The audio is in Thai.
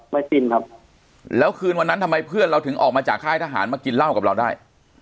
ปินครับแล้วคืนวันนั้นทำไมเพื่อนเราถึงออกมาจากค่ายทหารมากินเหล้ากับเราได้